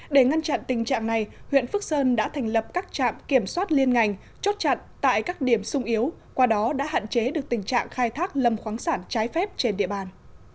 để ngăn chặn tình trạng này huyện phước sơn đã thành lập các trạm kiểm soát liên ngành chốt chặn tại các điểm sung yếu qua đó đã hạn chế được tình trạng khai thác lâm khoáng sản trái phép trên địa bàn